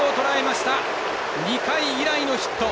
２回以来のヒット。